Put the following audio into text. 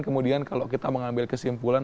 kemudian kalau kita mengambil kesimpulan